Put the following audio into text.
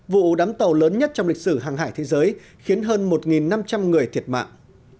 vụ đám tàu lớn nhất trong lịch sử hàng hải thế giới khiến hơn một năm trăm linh người thiệt mạng